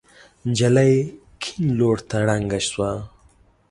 نجلۍ کيڼ لور ته ړنګه شوه.